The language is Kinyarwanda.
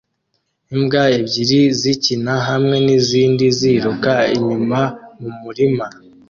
Imbwa ebyiri zikina hamwe nizindi ziruka inyuma mumurima